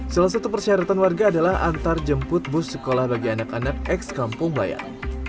salah satu persyaratan warga adalah antar jemput bus sekolah bagi anak anak ex kampung bayam